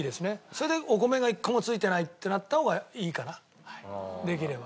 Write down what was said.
それでお米が１個もついてないってなった方がいいかなできれば。